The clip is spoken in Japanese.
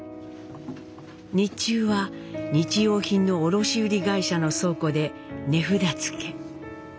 日中は日用品の卸売会社の倉庫で値札付け。